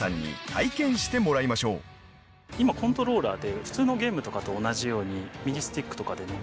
今コントローラーで普通のゲームとかと同じように右スティックとかで動かせる。